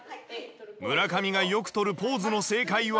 村上がよくとるポーズの正解は？